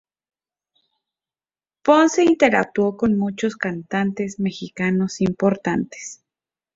Ponce interactuó con muchos cantantes mexicanos importantes.